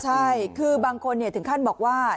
ใช่คือบางคนถึงขั้นบอกว่า